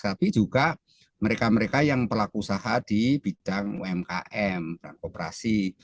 tapi juga mereka mereka yang pelaku usaha di bidang umkm dan kooperasi